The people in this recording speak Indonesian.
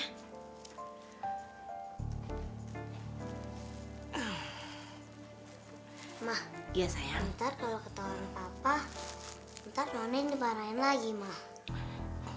emang ntar kalo ketauan papa ntar noni diparahin lagi mah